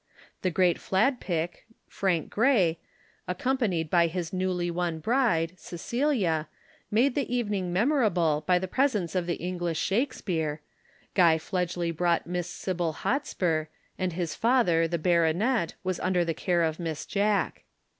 The great Fladpick (Frank Gray), accompanied by his newly won bride, Cecilia, made the evening memorable by the presence of the English Shakespeare, Guy Fledgely brought Miss Sybil Hotspur, and his father, the baronet, was under the care of Miss Jack.